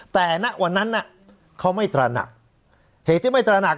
แต่ณวันนั้นน่ะเขาไม่ตระหนักเหตุที่ไม่ตระหนัก